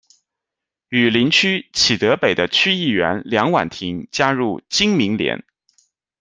与邻区启德北的区议员梁婉婷加入经民联。